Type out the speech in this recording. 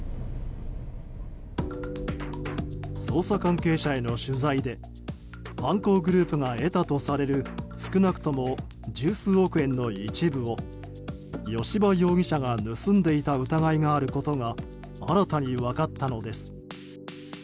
捜査関係者への取材で犯行グループが得たとされる少なくとも十数億円の一部を吉羽容疑者が盗んでいた疑いがあることが新たに分かったのです。